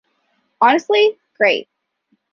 Honestly, great.